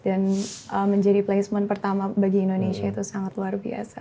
dan menjadi placement pertama bagi indonesia itu sangat luar biasa